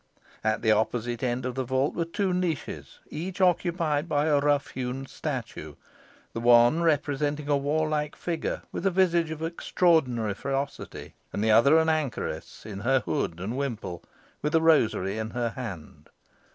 At the opposite end of the vault were two niches, each occupied by a rough hewn statue the one representing a warlike figure, with a visage of extraordinary ferocity, and the other an anchoress, in her hood and wimple, with a rosary in her hand.